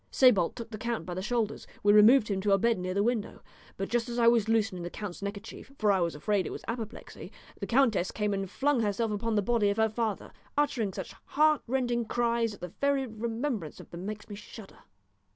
Sébalt took the count by the shoulders; we removed him to a bed near the window; but just as I was loosening the count's neckerchief for I was afraid it was apoplexy the countess came and flung herself upon the body of her father, uttering such heartrending cries that the very remembrance of them makes me shudder."